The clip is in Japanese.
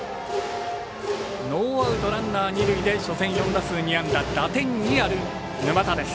ノーアウト、ランナー、二塁で初戦４打数２安打打点２ある沼田です。